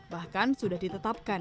bahkan sudah ditetapkan